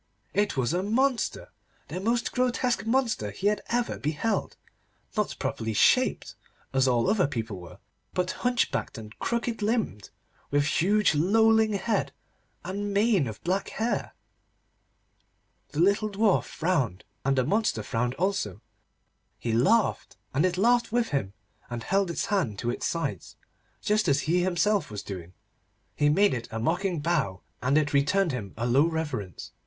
It was a monster, the most grotesque monster he had ever beheld. Not properly shaped, as all other people were, but hunchbacked, and crooked limbed, with huge lolling head and mane of black hair. The little Dwarf frowned, and the monster frowned also. He laughed, and it laughed with him, and held its hands to its sides, just as he himself was doing. He made it a mocking bow, and it returned him a low reverence.